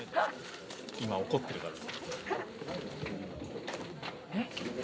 今怒ってるから。